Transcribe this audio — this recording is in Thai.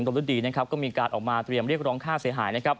ดนตรดีก็มีการออกมาเตรียมเรียกร้องค่าเสียหาย